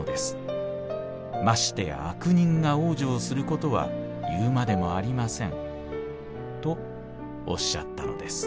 ましてや悪人が往生することは言うまでもありません』とおっしゃったのです」。